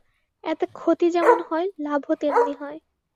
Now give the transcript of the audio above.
এতে ক্ষতি যেমন হয়, লাভও তেমনি হয়।